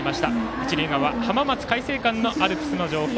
一塁側浜松開誠館のアルプスの情報